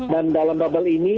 dan dalam bubble ini